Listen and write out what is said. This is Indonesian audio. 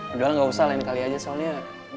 udah lah gak usah lain kali aja soalnya